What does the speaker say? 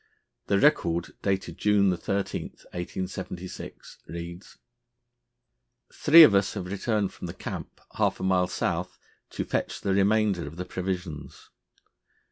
The record, dated June 13, 1876, reads: "Three of us have returned from the camp half a mile south to fetch the remainder of the provisions.